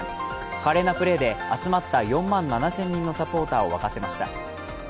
華麗なプレーで集まった４万７０００人のサポーターを沸かせました。